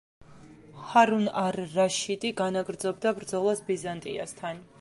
ჰარუნ არ-რაშიდი განაგრძობდა ბრძოლას ბიზანტიასთან.